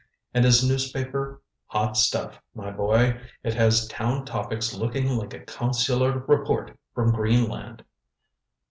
And his newspaper hot stuff, my boy. It has Town Topics looking like a consular report from Greenland."